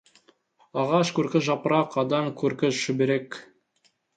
Ағаш көркі жапырақ, адам көркі шүберек.